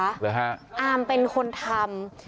อาร์มเป็นคนทำ